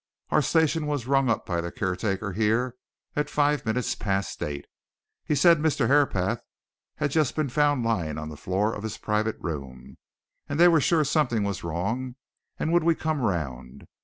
"Our station was rung up by the caretaker here at five minutes past eight. He said Mr. Herapath had just been found lying on the floor of his private room, and they were sure something was wrong, and would we come round.